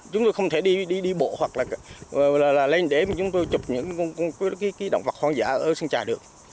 chúng tôi không thể đi bộ hoặc là lên để mà chúng tôi chụp những động vật hoang dã ở sơn trà được